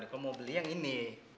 kalau mau beli yang ini